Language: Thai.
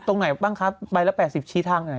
ตรงไหนบ้างครับใบละ๘๐ชี้ทางไหน